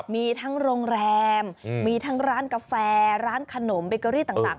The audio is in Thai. มีทั้งโรงแรมมีทั้งร้านกาแฟร้านขนมเบเกอรี่ต่าง